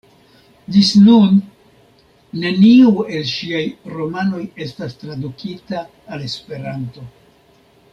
Ĝis nun neniu el ŝiaj romanoj estas tradukita al Esperanto.